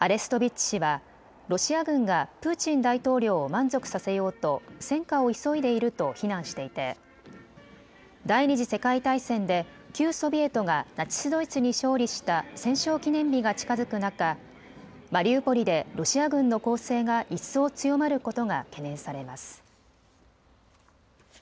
アレストビッチ氏はロシア軍がプーチン大統領を満足させようと戦果を急いでいると非難していて第２次世界大戦で旧ソビエトがナチス・ドイツに勝利した戦勝記念日が近づく中、マリウポリでロシア軍の攻勢が一層強まることが懸念されます。